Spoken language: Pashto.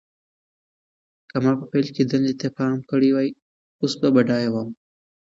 که ما په پیل کې دندې ته پام کړی وای، اوس به بډایه وم.